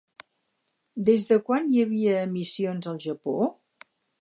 Des de quan hi havia emissions al Japó?